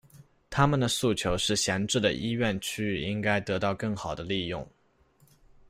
他们的诉求是闲置的医院区域应该得到更好的利用。